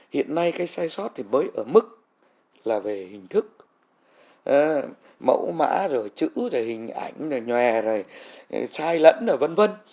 hiện nay cái sai sót thì mới ở mức là về hình thức mẫu mã rồi chữ rồi hình ảnh rồi nhòe rồi sai lẫn rồi vân vân